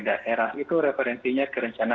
daerah itu referensinya ke rencana